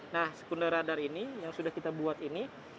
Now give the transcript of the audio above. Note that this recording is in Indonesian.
nah sekunder radar ini yang sudah kita buat ini